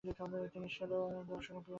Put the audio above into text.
তিনি সেলো, দর্শন ও পিয়ানো শেখেন।